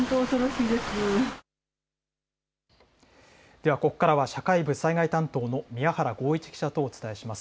ではここからは社会部災害担当の宮原豪一記者とお伝えします。